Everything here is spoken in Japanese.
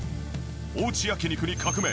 おうち焼肉に革命！